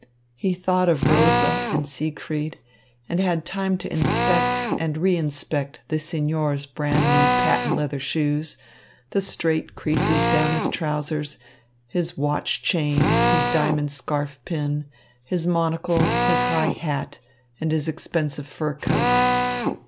He thought of Rosa and Siegfried and had time to inspect and reinspect the signor's brand new patent leather shoes, the straight creases down his trousers, his watch chain, his diamond scarf pin, his monocle, his high hat, and his expensive fur coat.